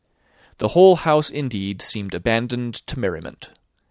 The whole house, indeed, seemed abandoned to merriment.